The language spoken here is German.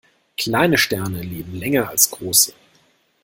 Kleine Sterne leben länger als große.